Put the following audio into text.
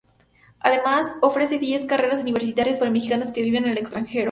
Además, ofrece diez carreras universitarias para mexicanos que viven en el extranjero.